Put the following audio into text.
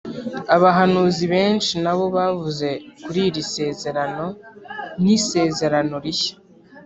abahanuzi benshi nabo bavuze kuri iri sezerano: “niisezerano rishya,